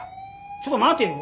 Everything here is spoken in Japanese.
ちょっと待てよ。